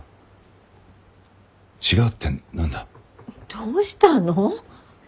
どうしたの？